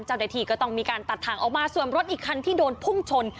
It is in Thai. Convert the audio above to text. เจ้าหน้าที่ก็ต้องมีการตัดทางออกมาส่วนรถอีกคันที่โดนพุ่งชน